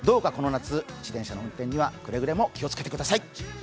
自転車の運転はくれぐれも気をつけてください。